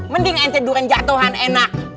mending ente durian jatuhan enak